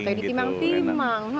kayak di timang timang